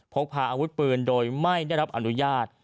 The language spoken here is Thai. พกพาอาวุธปืนโดยไม่ได้รับอนุญาต